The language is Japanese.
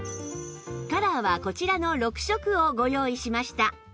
カラーはこちらの６色をご用意しました